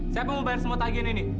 siapa mau bayar semua tagi ini